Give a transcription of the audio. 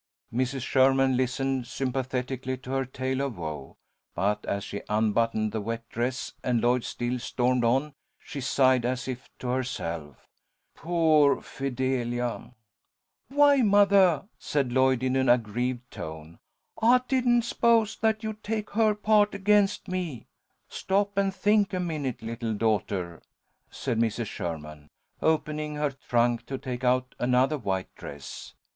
Mrs. Sherman listened sympathetically to her tale of woe, but as she unbuttoned the wet dress, and Lloyd still stormed on, she sighed as if to herself, "Poor Fidelia!" "Why, mothah," said Lloyd, in an aggrieved tone, "I didn't s'pose that you'd take her part against me." "Stop and think a minute, little daughter," said Mrs. Sherman, opening her trunk to take out another white dress.